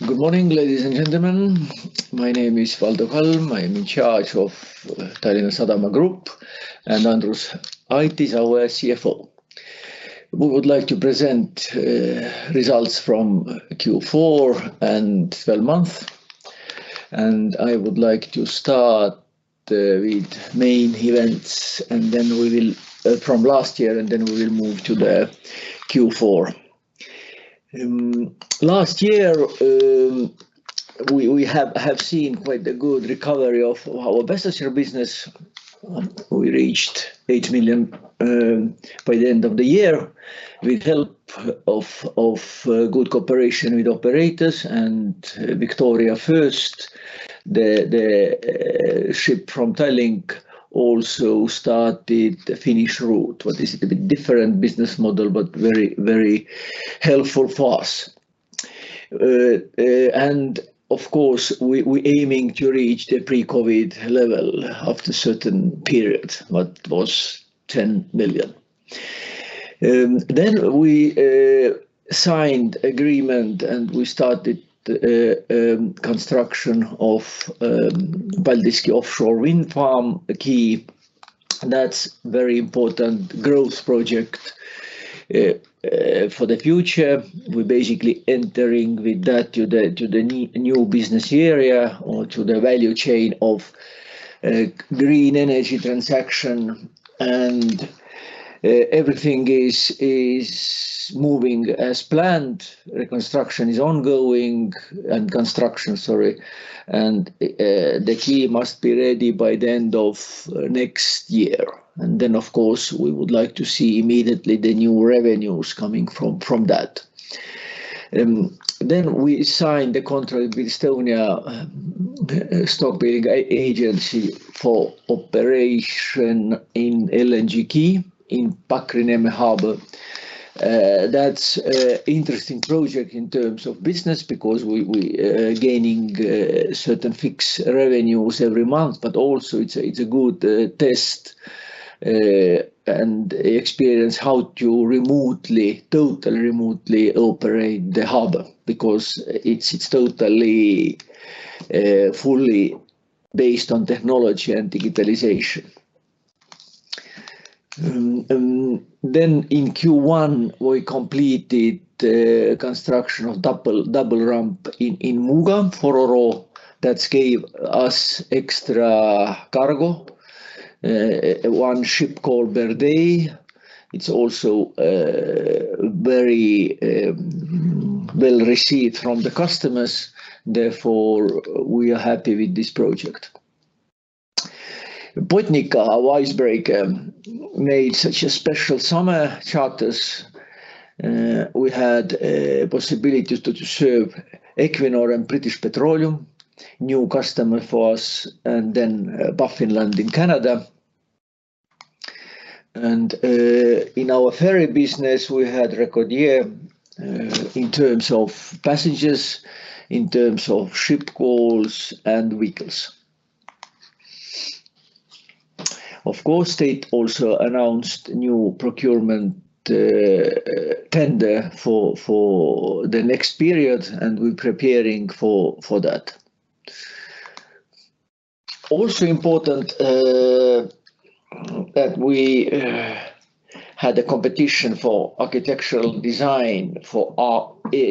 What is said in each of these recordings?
Good morning, ladies and gentlemen. My name is Valdo Kalm. I am in charge of Tallinna Sadam Group, and Andrus Ait is our CFO. We would like to present results from Q4 and 12 months, and I would like to start with main events, and then we will from last year, and then we will move to the Q4. Last year, we have seen quite a good recovery of our passenger business. We reached 8 million by the end of the year with help of good cooperation with operators and Victoria I. The ship from Tallinn also started the Finnish route. What is it? A bit different business model, but very, very helpful for us. And of course, we aiming to reach the pre-COVID level after a certain period, what was 10 million. Then we signed agreement, and we started construction of Paldiski Offshore Wind Farm, a key that's very important growth project for the future. We're basically entering with that to the new business area or to the value chain of green energy transaction, and everything is moving as planned. Reconstruction is ongoing, and construction, sorry, and the quay must be ready by the end of next year. And then, of course, we would like to see immediately the new revenues coming from that. Then we signed the contract with Estonian Stockpiling Agency for operation in LNG quay in Pakrineeme Harbor. That's an interesting project in terms of business because we're gaining certain fixed revenues every month, but also it's a good test and experience how to remotely, totally remotely operate the harbor because it's totally, fully based on technology and digitalization. Then in Q1, we completed construction of double ramp in Muuga for ro-ro. That gave us extra cargo, one ship called per day. It's also very well received from the customers. Therefore, we are happy with this project. Botnica, our icebreaker, made such a special summer charters. We had a possibility to serve Equinor and British Petroleum, new customer for us, and then Baffinland in Canada. And in our ferry business, we had record year in terms of passengers, in terms of ship calls, and vehicles. Of course, state also announced new procurement tender for the next period, and we're preparing for that. Also important that we had a competition for architectural design for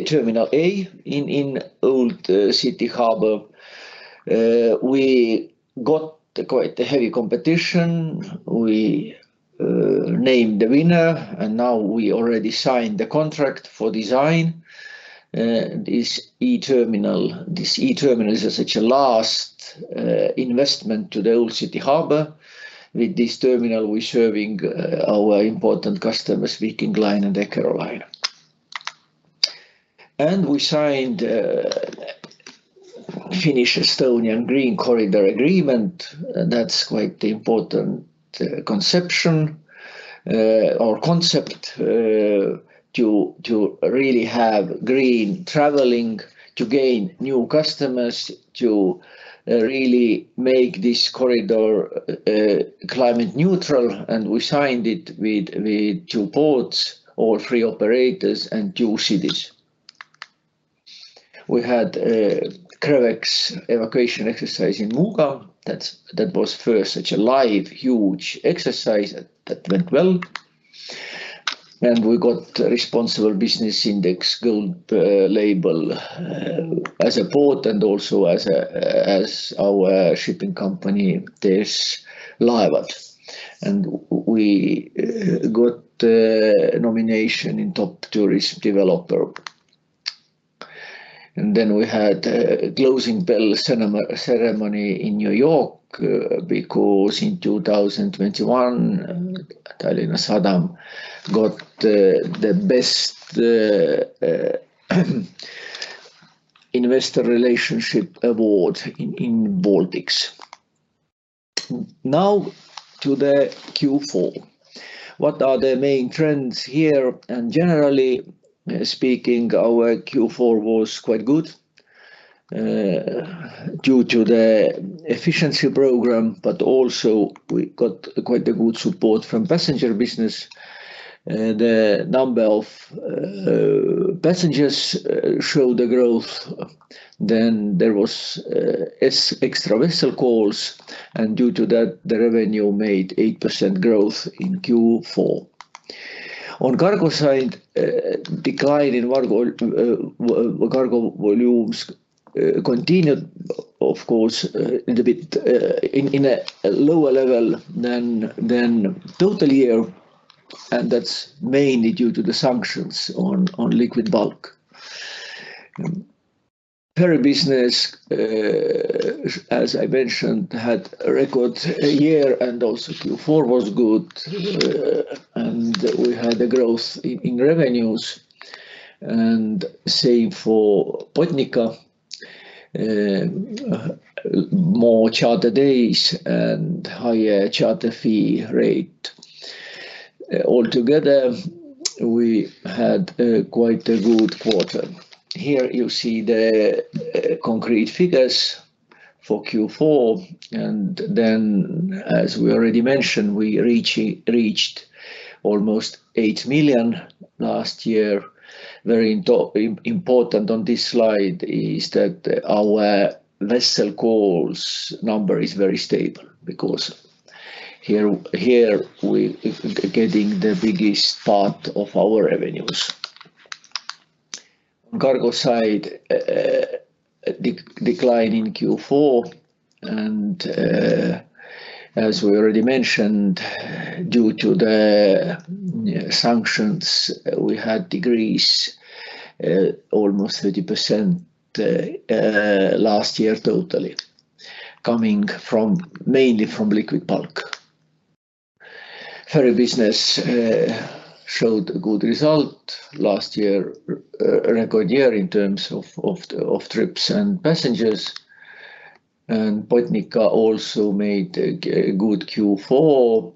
Terminal A in Old City Harbour. We got quite a heavy competition. We named the winner, and now we already signed the contract for design. This A-terminal is such a last investment to the Old City Harbour. With this terminal, we're serving our important customers, Viking Line and Eckerö Line. We signed Finnish-Estonian Green Corridor Agreement. That's quite the important conception or concept to really have green travelling, to gain new customers, to really make this corridor climate neutral. We signed it with two ports, all three operators, and two cities. We had CREVEX evacuation exercise in Muuga. That was first such a live, huge exercise that went well. We got Responsible Business Index Gold label as a port and also as our shipping company, TS Laevad. We got nomination in top tourist developer. Then we had a closing bell ceremony in New York because in 2021, Tallinna Sadam got the best investor relationship award in Baltics. Now to the Q4. What are the main trends here? Generally speaking, our Q4 was quite good due to the efficiency program, but also we got quite a good support from passenger business. The number of passengers showed the growth. Then there was extra vessel calls, and due to that, the revenue made 8% growth in Q4. On cargo side, decline in cargo volumes continued, of course, in a bit in a lower level than total year. And that's mainly due to the sanctions on liquid bulk. Ferry business, as I mentioned, had a record year, and also Q4 was good. And we had the growth in revenues. And same for Botnica, more charter days and higher charter fee rate. Altogether, we had quite a good quarter. Here you see the concrete figures for Q4. And then, as we already mentioned, we reached almost 8 million last year. Very important on this slide is that our vessel calls number is very stable because here we're getting the biggest part of our revenues. On cargo side, decline in Q4. As we already mentioned, due to the sanctions, we had decrease almost 30% last year totally, coming mainly from liquid bulk. Ferry business showed a good result last year, record year in terms of trips and passengers. Botnica also made a good Q4,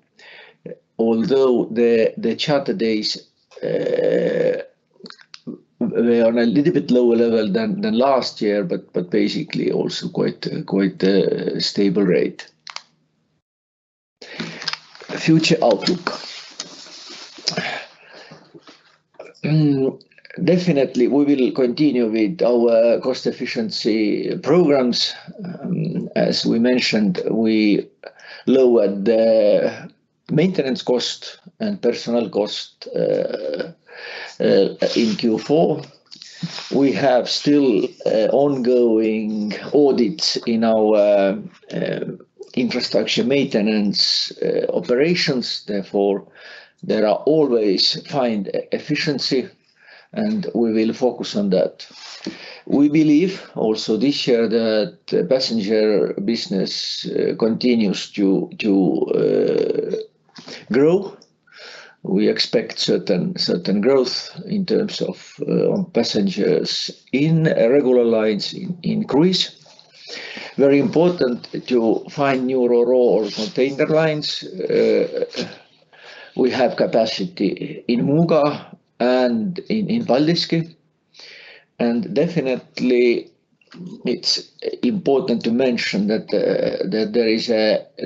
although the charter days, they are on a little bit lower level than last year, but basically also quite a stable rate. Future outlook. Definitely, we will continue with our cost efficiency programs. As we mentioned, we lowered the maintenance cost and personal cost in Q4. We have still ongoing audits in our infrastructure maintenance operations. Therefore, there are always find efficiency, and we will focus on that. We believe also this year that passenger business continues to grow. We expect certain growth in terms of passengers in regular lines increase. Very important to find new ro-ro or container lines. We have capacity in Muuga and in Paldiski. And definitely, it's important to mention that there is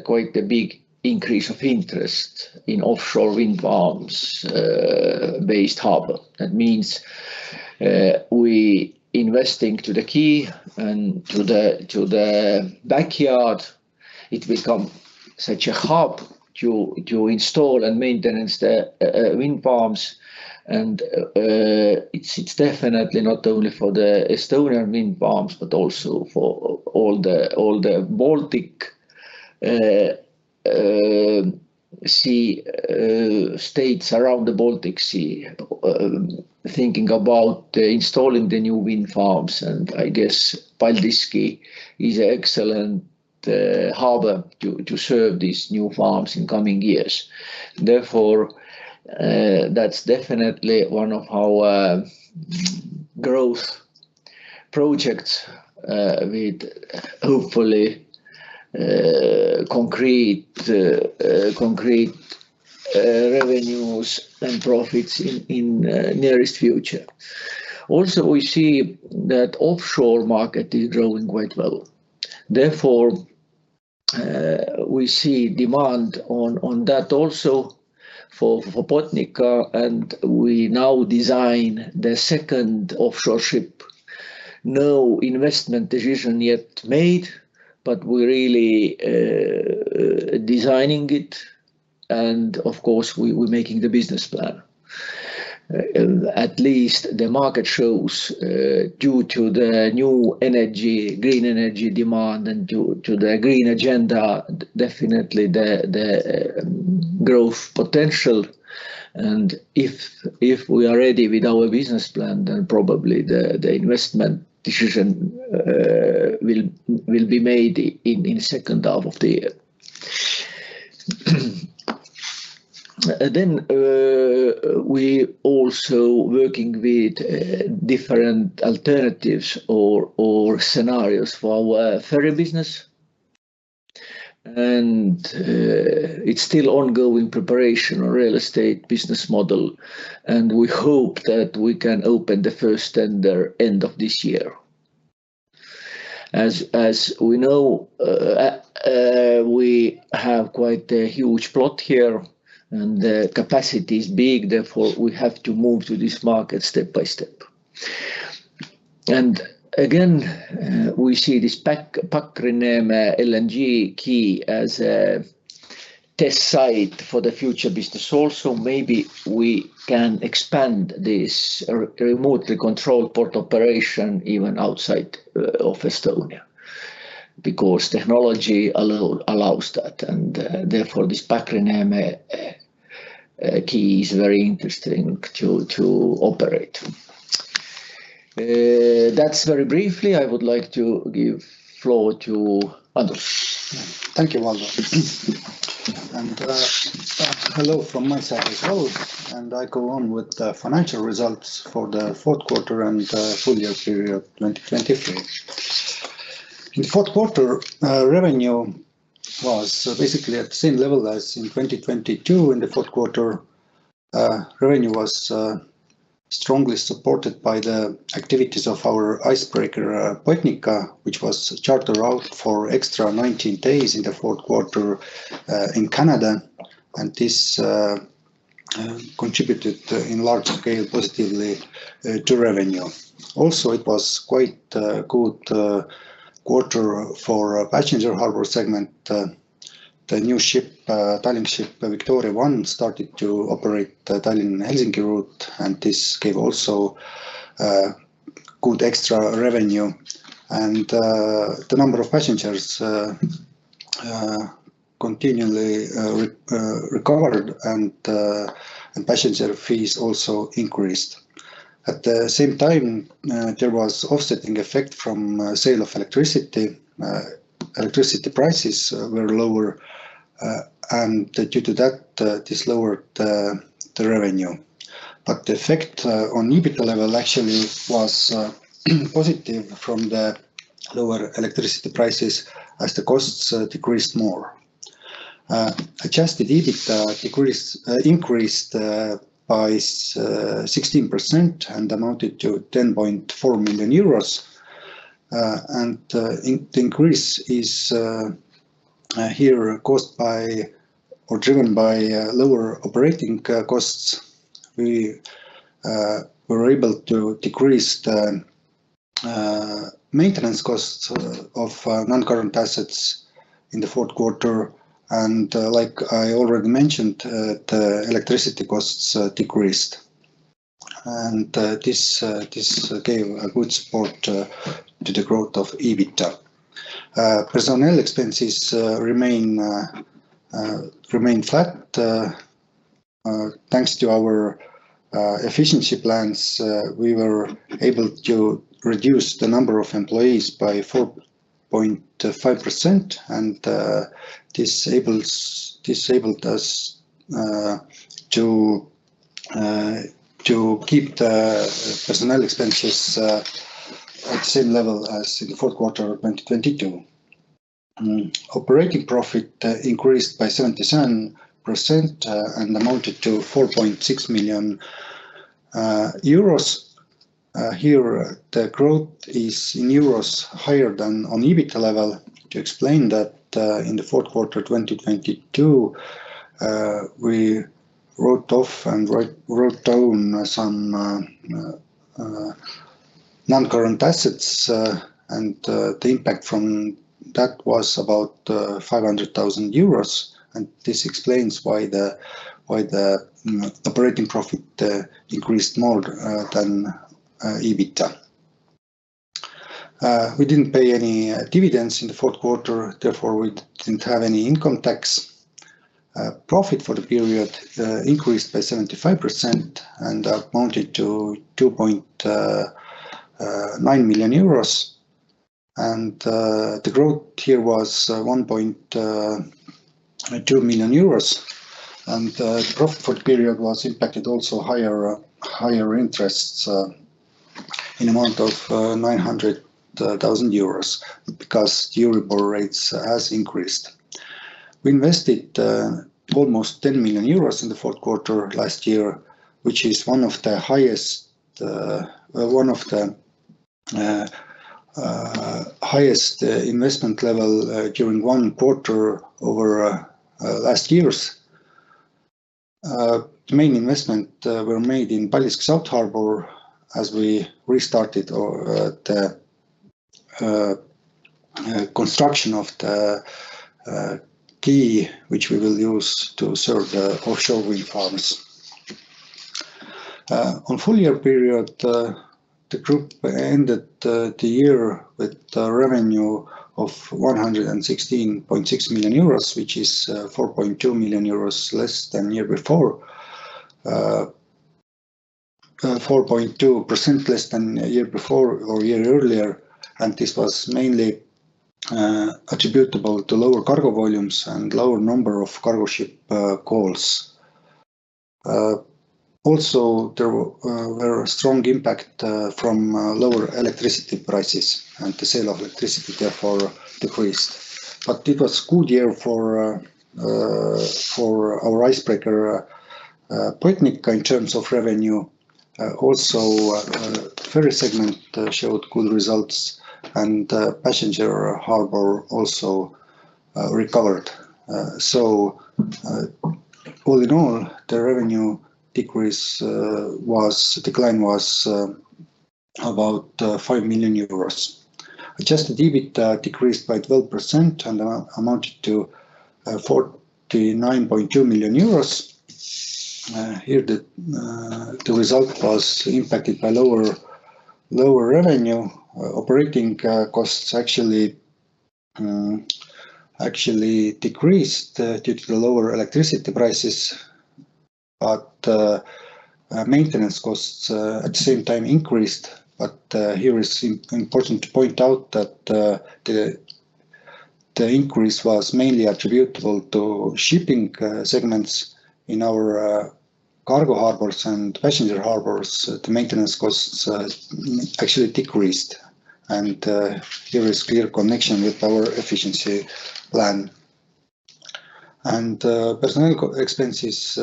quite a big increase of interest in offshore wind farms-based harbor. That means we investing to the quay and to the backyard. It will come such a hub to install and maintenance the wind farms. And it's definitely not only for the Estonian wind farms, but also for all the Baltic Sea states around the Baltic Sea, thinking about installing the new wind farms. And I guess Paldiski is an excellent harbor to serve these new farms in coming years. Therefore, that's definitely one of our growth projects with hopefully concrete revenues and profits in the nearest future. Also, we see that offshore market is growing quite well. Therefore, we see demand on that also for Botnica. And we now design the second offshore ship. No investment decision yet made, but we're really designing it. And of course, we're making the business plan. At least the market shows due to the new energy, green energy demand, and to the green agenda, definitely the growth potential. And if we are ready with our business plan, then probably the investment decision will be made in the second half of the year. Then we also working with different alternatives or scenarios for our ferry business. And it's still ongoing preparation on real estate business model. And we hope that we can open the first tender end of this year. As we know, we have quite a huge plot here, and the capacity is big. Therefore, we have to move to this market step by step. And again, we see this Pakrineeme LNG quay as a test site for the future business. Also, maybe we can expand this remotely controlled port operation even outside of Estonia because technology allows that. And therefore, this Pakrineeme quay is very interesting to operate. That's very briefly. I would like to give the floor to Andrus. Thank you, Valdo. And hello from my side as well. And I go on with the financial results for the fourth quarter and full year period 2023. In the fourth quarter, revenue was basically at the same level as in 2022. In the fourth quarter, revenue was strongly supported by the activities of our icebreaker, Botnica, which was chartered out for extra 19 days in the fourth quarter in Canada. And this contributed in large scale positively to revenue. Also, it was quite a good quarter for passenger harbor segment. The new ship, Tallink ship Victoria I, started to operate Tallinn-Helsinki route. And this gave also good extra revenue. And the number of passengers continually recovered, and passenger fees also increased. At the same time, there was offsetting effect from sale of electricity. Electricity prices were lower. And due to that, this lowered the revenue. But the effect on EBITDA level actually was positive from the lower electricity prices as the costs decreased more. Adjusted EBITDA increased by 16% and amounted to 10.4 million euros. And the increase is here caused by or driven by lower operating costs. We were able to decrease the maintenance costs of non-current assets in the fourth quarter. And like I already mentioned, the electricity costs decreased. And this gave a good support to the growth of EBITDA. Personnel expenses remain flat. Thanks to our efficiency plans, we were able to reduce the number of employees by 4.5%. This enabled us to keep the personnel expenses at the same level as in the fourth quarter of 2022. Operating profit increased by 77% and amounted to 4.6 million euros. Here, the growth is in euros higher than on EBITDA level. To explain that, in the fourth quarter of 2022, we wrote off and wrote down some non-current assets. The impact from that was about 500,000 euros. This explains why the operating profit increased more than EBITDA. We didn't pay any dividends in the fourth quarter. Therefore, we didn't have any income tax. Profit for the period increased by 75% and amounted to EUR 2.9 million. The growth here was 1.2 million euros. The profit for the period was impacted also by higher interest in the amount of 900,000 euros because Euribor rates have increased. We invested almost 10 million euros in the fourth quarter last year, which is one of the highest investment levels during one quarter over the last years. The main investments were made in Paldiski South Harbour as we restarted the construction of the quay, which we will use to serve the offshore wind farms. For the full-year period, the group ended the year with revenue of 116.6 million euros, which is 4.2 million euros less than the year before, 4.2% less than the year before or year earlier. And this was mainly attributable to lower cargo volumes and lower number of cargo ship calls. Also, there was a strong impact from lower electricity prices, and the sale of electricity, therefore, decreased. But it was a good year for our icebreaker, Botnica, in terms of revenue. Also, ferry segment showed good results, and passenger harbour also recovered. So all in all, the revenue decrease was about 5 million euros. Adjusted EBITDA decreased by 12% and amounted to 49.2 million euros. Here, the result was impacted by lower revenue. Operating costs actually decreased due to the lower electricity prices, but maintenance costs at the same time increased. But here is important to point out that the increase was mainly attributable to shipping segments in our cargo harbours and passenger harbours. The maintenance costs actually decreased. And here is clear connection with our efficiency plan. And personnel expenses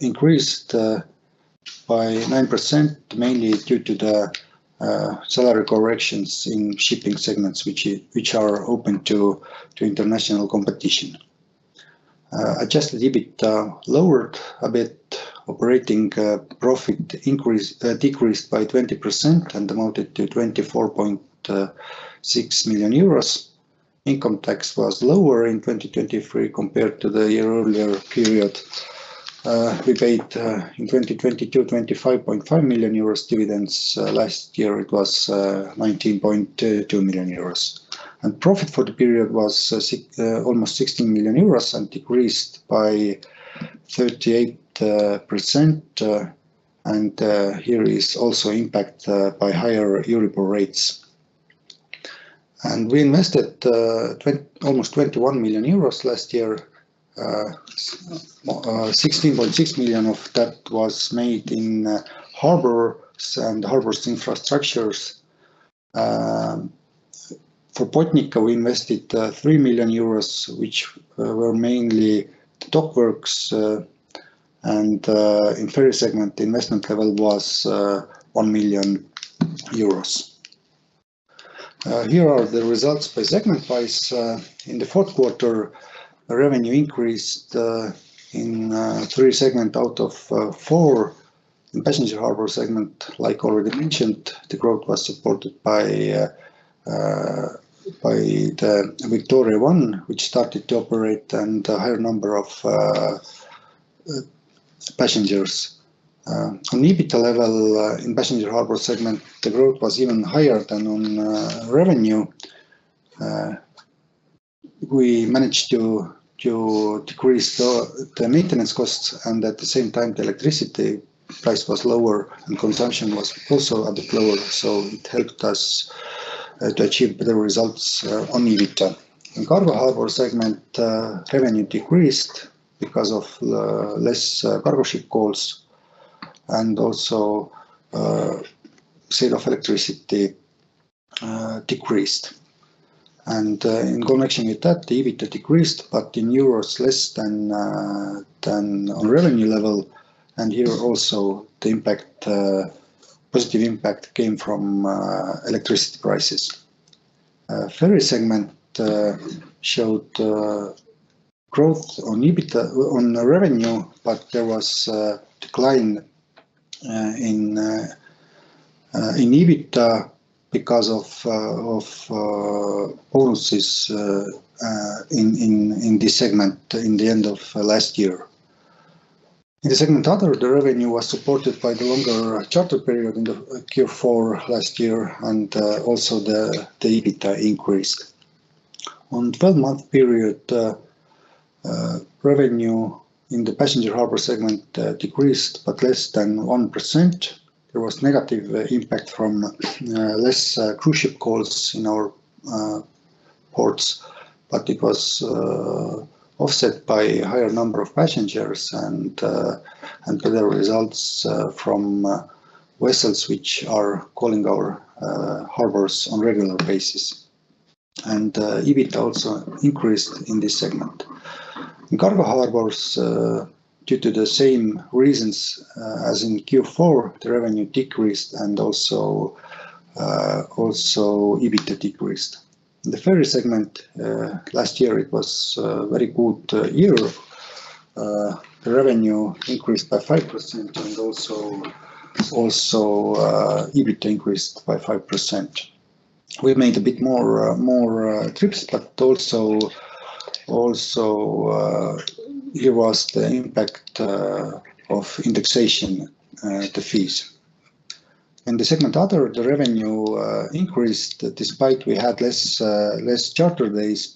increased by 9% mainly due to the salary corrections in shipping segments, which are open to international competition. Adjusted EBITDA lowered a bit. Operating profit decreased by 20% and amounted to 24.6 million euros. Income tax was lower in 2023 compared to the year-earlier period. We paid in 2022 25.5 million euros dividends. Last year, it was 19.2 million euros. And profit for the period was almost 16 million euros and decreased by 38%. And here is also impact by higher Euribor rates. And we invested almost 21 million euros last year. 16.6 million of that was made in harbors and harbor infrastructures. For Botnica, we invested 3 million euros, which were mainly dockworks. And in ferry segment, the investment level was 1 million euros. Here are the results by segment-wise. In the fourth quarter, revenue increased in three segments out of four. In passenger harbor segment, like already mentioned, the growth was supported by the Victoria I, which started to operate and a higher number of passengers. On EBITDA level, in passenger harbor segment, the growth was even higher than on revenue. We managed to decrease the maintenance costs. At the same time, the electricity price was lower and consumption was also a bit lower. So it helped us to achieve better results on EBITDA. In cargo harbour segment, revenue decreased because of less cargo ship calls. Also, sale of electricity decreased. In connection with that, the EBITDA decreased, but in euros, less than on revenue level. Here also, the positive impact came from electricity prices. Ferry segment showed growth on revenue, but there was decline in EBITDA because of bonuses in this segment in the end of last year. In the segment other, the revenue was supported by the longer charter period in the Q4 last year. Also, the EBITDA increased. On 12-month period, revenue in the passenger harbour segment decreased, but less than 1%. There was negative impact from less cruise ship calls in our ports. It was offset by a higher number of passengers and better results from vessels, which are calling our harbors on a regular basis. EBITDA also increased in this segment. In cargo harbors, due to the same reasons as in Q4, the revenue decreased and also EBITDA decreased. In the ferry segment, last year, it was a very good year. The revenue increased by 5%. Also, EBITDA increased by 5%. We made a bit more trips. Also, here was the impact of indexation at the fees. In the other segment, the revenue increased despite we had less charter days.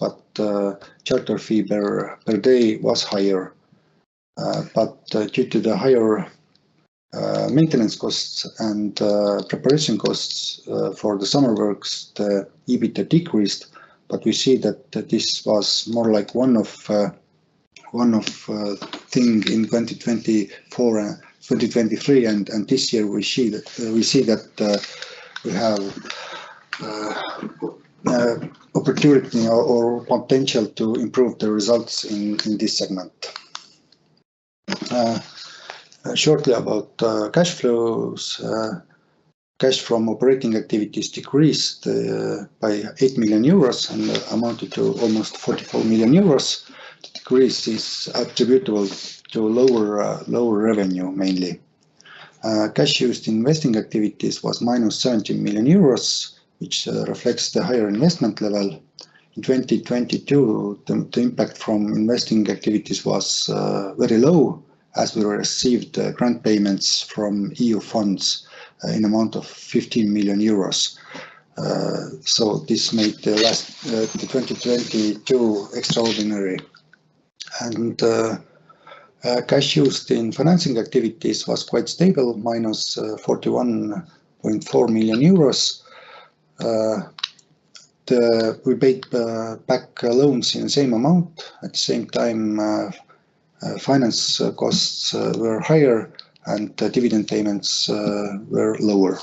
Charter fee per day was higher. Due to the higher maintenance costs and preparation costs for the summer works, the EBITDA decreased. But we see that this was more like one of things in 2023. And this year, we see that we have opportunity or potential to improve the results in this segment. Shortly about cash flows, cash from operating activities decreased by 8 million euros and amounted to almost 44 million euros. The decrease is attributable to lower revenue mainly. Cash used in investing activities was minus 17 million euros, which reflects the higher investment level. In 2022, the impact from investing activities was very low as we received grant payments from EU funds in the amount of 15 million euros. So this made the last 2022 extraordinary. And cash used in financing activities was quite stable, minus 41.4 million euros. We paid back loans in the same amount. At the same time, finance costs were higher and dividend payments were lower.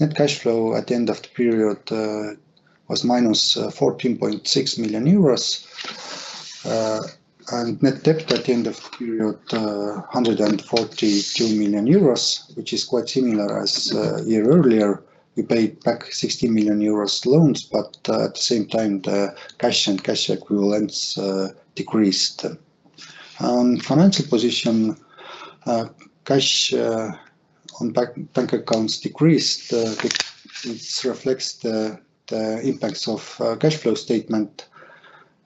Net cash flow at the end of the period was minus 14.6 million euros. Net debt at the end of the period, 142 million euros, which is quite similar as a year earlier. We paid back 16 million euros loans. But at the same time, the cash and cashback rewards decreased. On financial position, cash on bank accounts decreased. This reflects the impacts of cash flow statement.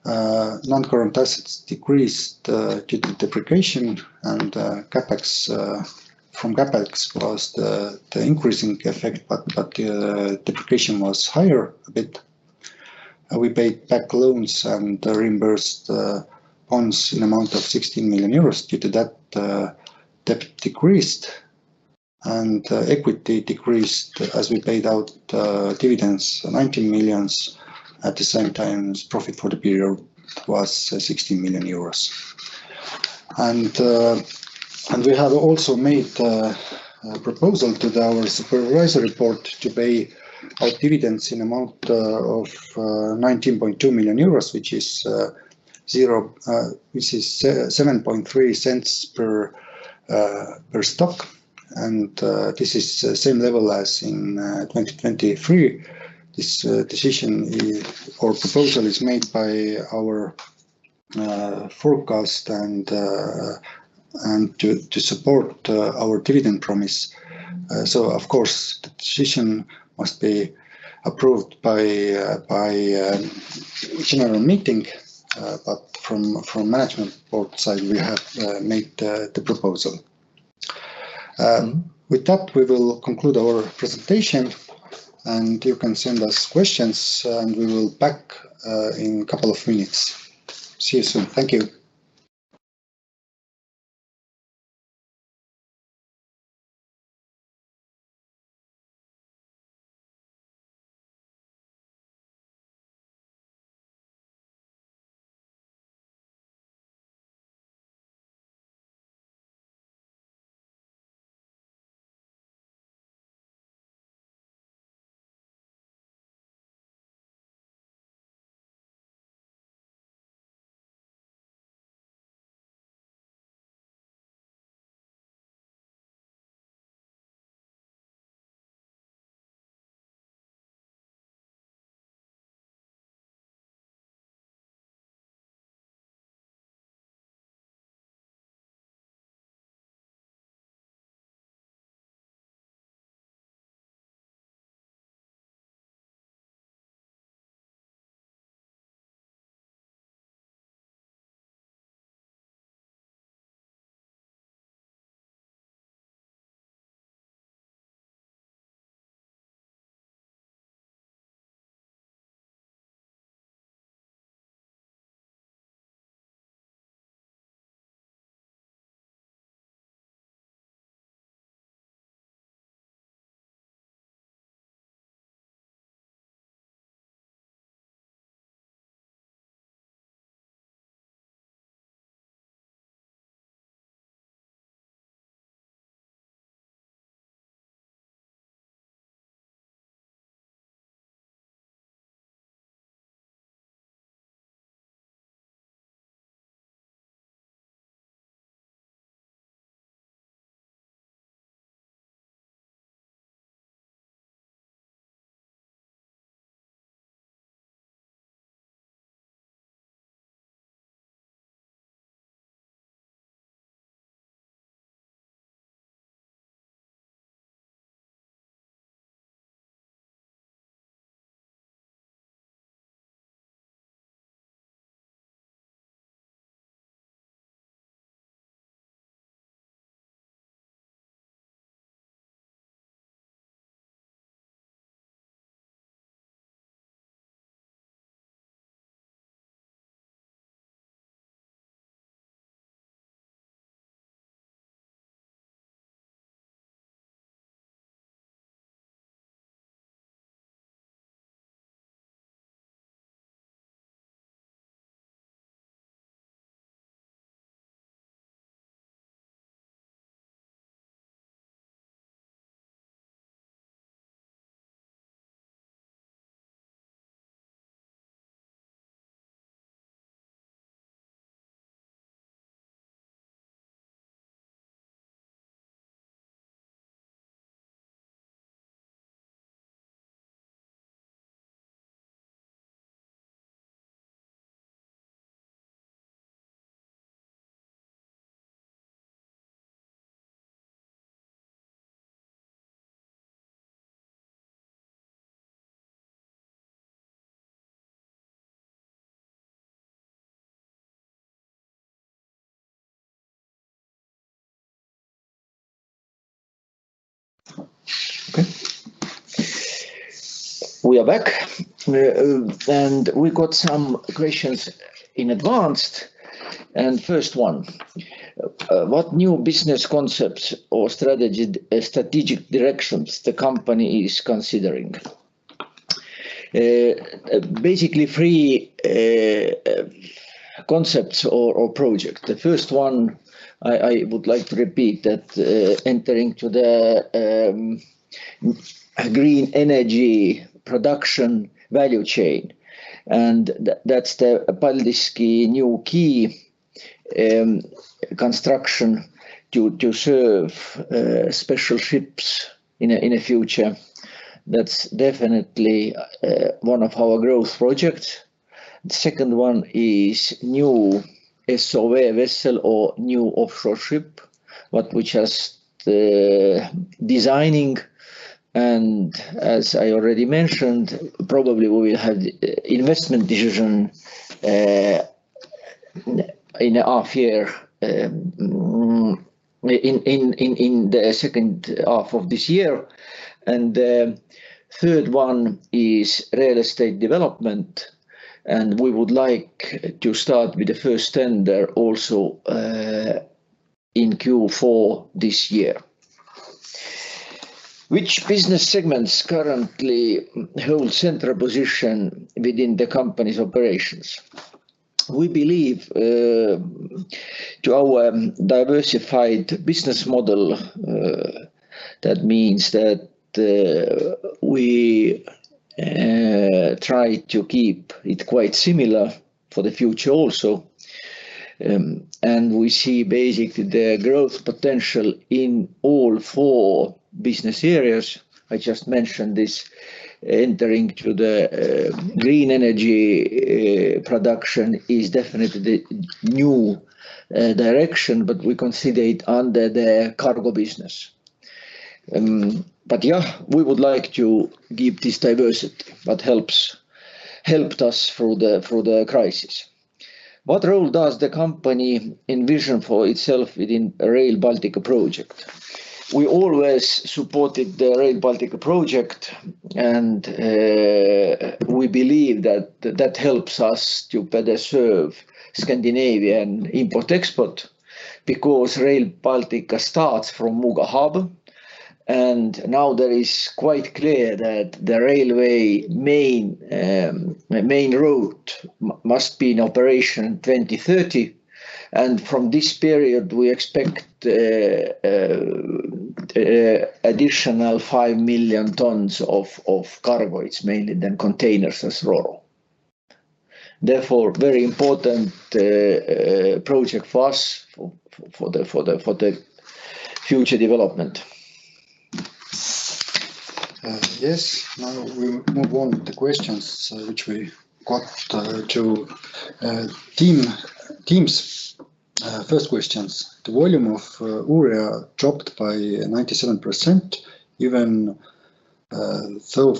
Non-current assets decreased due to depreciation. And from CapEx was the increasing effect. But depreciation was higher a bit. We paid back loans and reimbursed bonds in the amount of 16 million euros. Due to that, debt decreased. And equity decreased as we paid out dividends, 19 million. At the same time, profit for the period was 16 million euros. We have also made a proposal to our supervisory board to pay out dividends in the amount of 19.2 million euros, which is 0.073 per share. This is the same level as in 2023. This decision or proposal is made by our management board to support our dividend promise. So, of course, the decision must be approved by general meeting. But from management board side, we have made the proposal. With that, we will conclude our presentation. You can send us questions. We will be back in a couple of minutes. See you soon. Thank you. Okay. We are back. We got some questions in advance. First one, what new business concepts or strategic directions the company is considering? Basically, three concepts or projects. The first one, I would like to repeat that entering to the green energy production value chain. And that's the Paldiski new quay construction to serve special ships in the future. That's definitely one of our growth projects. The second one is new SOV vessel or new offshore ship, which is designing. And as I already mentioned, probably we will have investment decision in a half year in the second half of this year. And the third one is real estate development. And we would like to start with the first tender also in Q4 this year. Which business segments currently hold central position within the company's operations? We believe in our diversified business model, that means that we try to keep it quite similar for the future also. And we see basically the growth potential in all four business areas. I just mentioned this. Entering to the green energy production is definitely the new direction. But we consider it under the cargo business. But yeah, we would like to give this diversity that helped us through the crisis. What role does the company envision for itself within the Rail Baltica project? We always supported the Rail Baltica project. And we believe that that helps us to better serve Scandinavian import-export because Rail Baltica starts from Muuga Harbour. And now, there is quite clear that the railway main route must be in operation in 2030. And from this period, we expect additional 5 million tons of cargo; it's mainly then containers as raw. Therefore, very important project for us for the future development. Yes. Now, we move on to questions, which we got to teams. First questions, the volume of urea dropped by 97% even though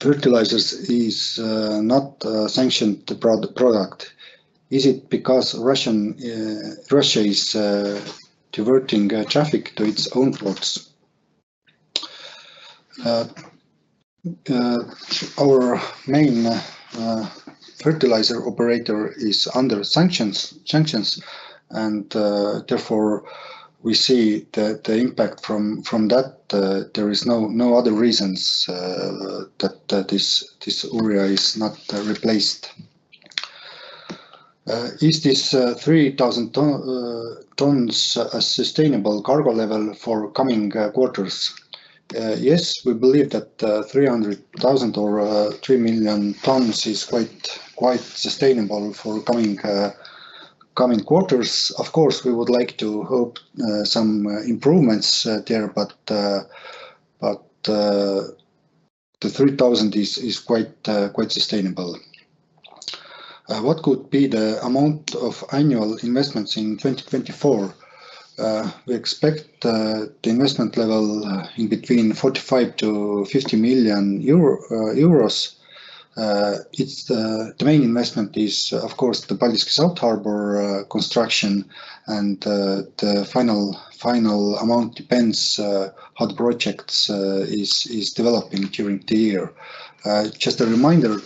fertilizers is not sanctioned product. Is it because Russia is diverting traffic to its own ports? Our main fertilizer operator is under sanctions. And therefore, we see that the impact from that, there is no other reasons that this urea is not replaced. Is this 3,000 tons a sustainable cargo level for coming quarters? Yes, we believe that 300,000 or 3 million tons is quite sustainable for coming quarters. Of course, we would like to hope some improvements there. But the 3,000 is quite sustainable. What could be the amount of annual investments in 2024? We expect the investment level in between 45 million-50 million euro. The main investment is, of course, the Paldiski South Harbour construction. The final amount depends on how the project is developing during the year. Just a reminder,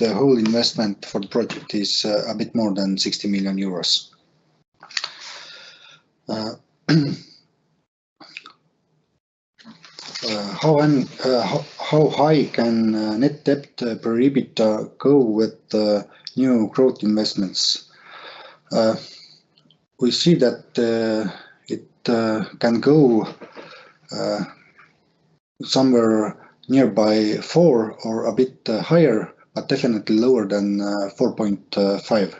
the whole investment for the project is a bit more than 60 million euros. How high can net debt per EBITDA go with new growth investments? We see that it can go somewhere nearby four or a bit higher, but definitely lower than 4.5.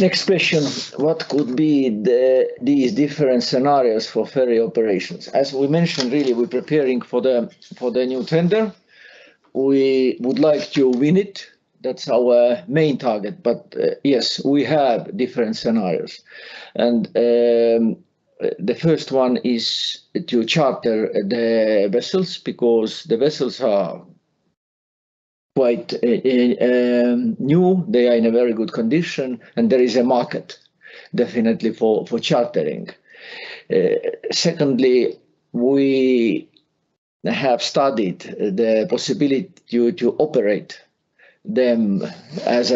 Next question, what could be these different scenarios for ferry operations? As we mentioned, really, we're preparing for the new tender. We would like to win it. That's our main target. But yes, we have different scenarios. And the first one is to charter the vessels because the vessels are quite new. They are in a very good condition. And there is a market, definitely, for chartering. Secondly, we have studied the possibility to operate them as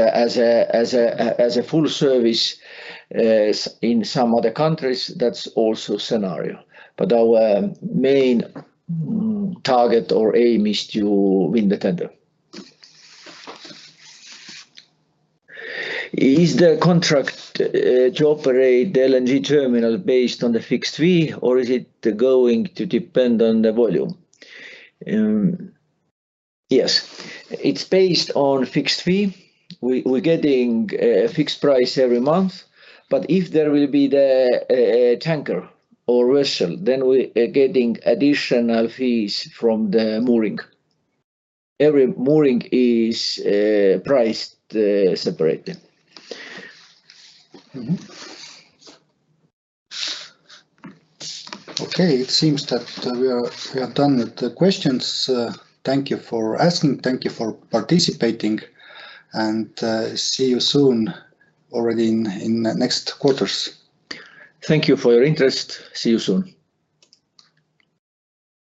a full service in some other countries. That's also a scenario. But our main target or aim is to win the tender. Is the contract to operate the LNG terminal based on the fixed fee, or is it going to depend on the volume? Yes, it's based on fixed fee. We're getting a fixed price every month. If there will be the tanker or vessel, then we're getting additional fees from the mooring. Every mooring is priced separately. Okay. It seems that we are done with the questions. Thank you for asking. Thank you for participating. And see you soon already in the next quarters. Thank you for your interest. See you soon.